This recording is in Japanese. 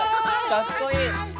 かっこいい！